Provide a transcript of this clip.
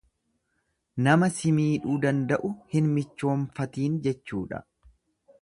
Nama si miidhuu danda'u hin michoonfatiin jechuudha.